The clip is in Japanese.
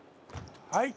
はい。